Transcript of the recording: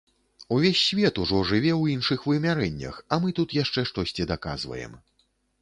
Увесь свет ужо жыве ў іншых вымярэннях, а мы тут яшчэ штосьці даказваем.